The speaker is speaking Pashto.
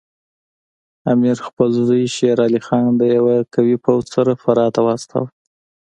امیر خپل زوی شیر علي خان د یوه قوي پوځ سره فراه ته واستاوه.